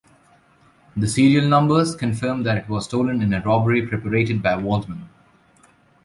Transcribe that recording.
The serial numbers confirm that it was stolen in a robbery perpetrated by Waldeman.